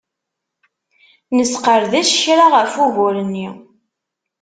Nesqerdec kra ɣef ugur-nni.